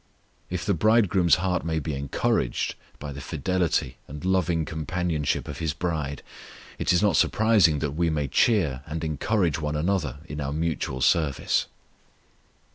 If the Bridegroom's heart may be encouraged by the fidelity and loving companionship of his bride, it is not surprising that we may cheer and encourage one another in our mutual service.